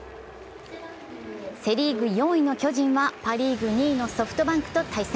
セ・リーグ４位の巨人はパ・リーグ２位のソフトバンクと対戦。